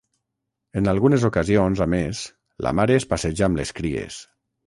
En algunes ocasions, a més, la mare es passeja amb les cries.